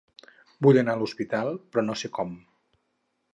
Vull anar a l'hospital, però no sé com.